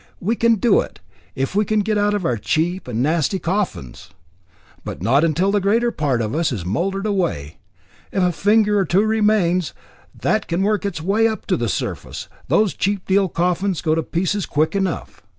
We can do it, if we can get out of our cheap and nasty coffins. But not till the greater part of us is mouldered away. If a finger or two remains, that can work its way up to the surface, those cheap deal coffins go to pieces quick enough.